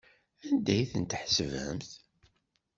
Anda ay ten-tḥesbemt?